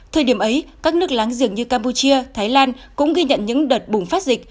thời điểm ấy các nước láng giềng như campuchia thái lan cũng ghi nhận những đợt bùng phát dịch